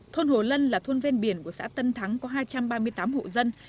thôn hồ lân là thôn ven biển của xã tân thắng có hai trăm ba mươi tám hộ dân